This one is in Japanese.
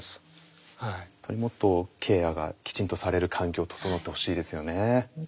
もっとケアがきちんとされる環境整ってほしいですよね。